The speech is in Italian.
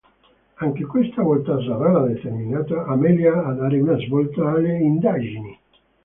Anche questa volta sarà la determinata Amelia a dare una svolta alle indagini!